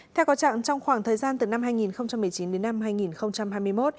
theo có trạng trong khoảng thời gian từ năm hai nghìn một mươi chín đến năm hai nghìn hai mươi một